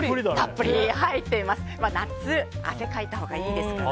夏、汗かいたほうがいいですから。